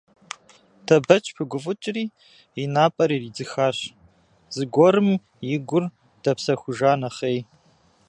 Дэбэч пыгуфӀыкӀри, и напӀэр иридзыхащ, зыгуэрым и гур дэпсэхужа нэхъей.